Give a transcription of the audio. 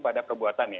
pada perbuatan ya